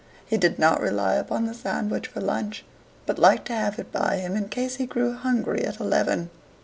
He did not rely upon the sandwich for lunch, but liked to have it by him in case he grew hungry at eleven.